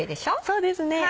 そうですね。